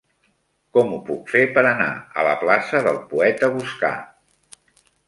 Com ho puc fer per anar a la plaça del Poeta Boscà?